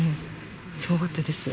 すごかったです。